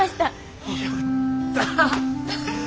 やった！